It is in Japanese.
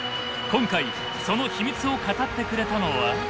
今回その秘密を語ってくれたのは。